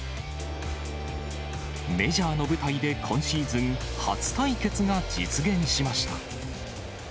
メジャーの舞台で今シーズン初対決が実現しました。